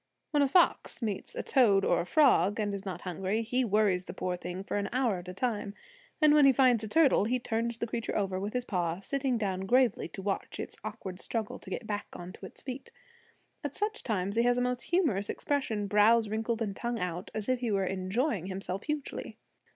When a fox meets a toad or frog, and is not hungry, he worries the poor thing for an hour at a time; and when he finds a turtle he turns the creature over with his paw, sitting down gravely to watch its awkward struggle to get back onto its feet. At such times he has a most humorous expression, brows wrinkled and tongue out, as if he were enjoying himself hugely.